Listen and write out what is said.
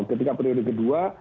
ketika periode kedua